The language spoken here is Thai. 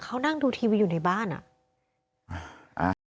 เขานั่งดูทีวีอยู่ในบ้านอ่ะ